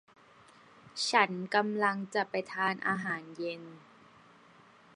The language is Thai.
ฉันกำลังจะไปทานอาหารเย็น